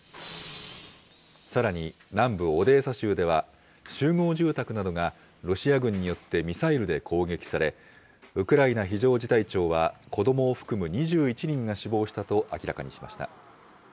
さらに南部オデーサ州では、集合住宅などが、ロシア軍によってミサイルで攻撃され、ウクライナ非常事態庁は子どもを含む２１人が死亡したと明らかにしました。